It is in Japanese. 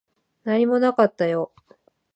何もなかったよ。